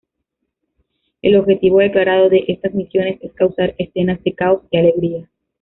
El objetivo declarado de estas misiones es causar escenas de "caos y alegría.